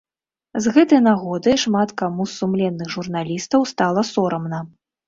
З гэтай нагоды шмат каму з сумленных журналістаў стала сорамна.